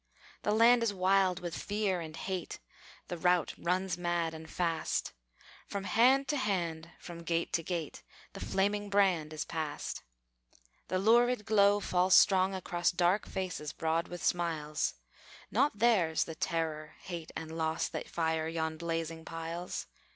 The land is wild with fear and hate, The rout runs mad and fast; From hand to hand, from gate to gate The flaming brand is passed. The lurid glow falls strong across Dark faces broad with smiles: Not theirs the terror, hate, and loss That fire yon blazing piles.